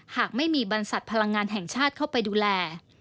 หากไม่มีบรรษัทพลังงานแห่งชาติเข้าไปดูแล